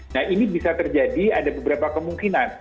nah ini bisa terjadi ada beberapa kemungkinan